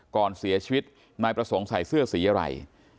ก่อนเสียชีวิตนายประสงค์ใส่เสื้อสีอะไร